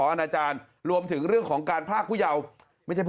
อาวาสมีการฝังมุกอาวาสมีการฝังมุกอาวาสมีการฝังมุกอาวาสมีการฝังมุก